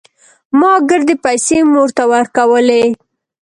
ما ګردې پيسې مور ته ورکولې.